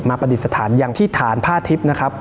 ปฏิสถานอย่างที่ฐานผ้าทิพย์นะครับ